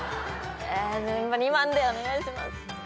２番でお願いします。